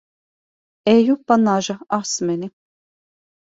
Eju pa naža asmeni.